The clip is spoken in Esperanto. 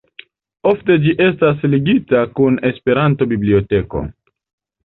Ofte ĝi estas ligita kun Esperanto-biblioteko.